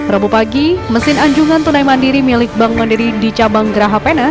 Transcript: rabu pagi mesin anjungan tunai mandiri milik bank mandiri di cabang geraha pena